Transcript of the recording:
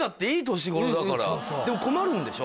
でも困るんでしょ？